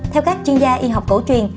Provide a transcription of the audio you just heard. theo các chuyên gia y học cổ truyền